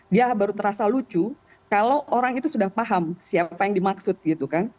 dia baru terasa lucu kalau orang itu sudah paham siapa yang dimaksud gitu kan